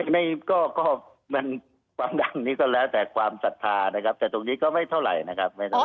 ไม่ก็มันความดังนี้ก็แล้วแต่ความศรัทธานะครับแต่ตรงนี้ก็ไม่เท่าไหร่นะครับ